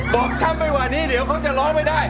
ช้ำไปกว่านี้เดี๋ยวเขาจะร้องไม่ได้